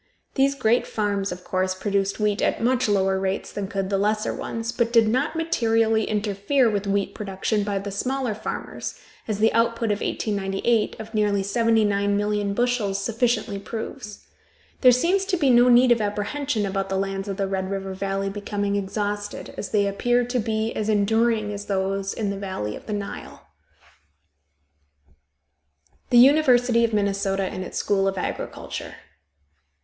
These great farms, of course, produced wheat at much lower rates than could the lesser ones, but did not materially interfere with wheat production by the smaller farmers, as the output of 1898 of nearly 79,000,000 bushels sufficiently proves. There seems to be no need of apprehension about the lands of the Red River Valley becoming exhausted, as they appear to be as enduring as those in the valley of the Nile. THE UNIVERSITY OF MINNESOTA AND ITS SCHOOL OF AGRICULTURE.